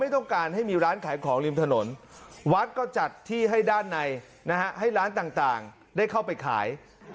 ต้องการให้มีร้านขายของริมถนนวัดก็จัดที่ให้ด้านในนะฮะให้ร้านต่างได้เข้าไปขาย